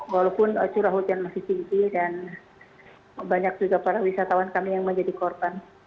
walaupun curah hujan masih tinggi dan banyak juga para wisatawan kami yang menjadi korban